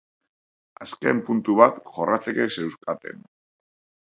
Azken puntu bat jorratzeke zeukaten.